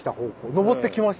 上ってきました。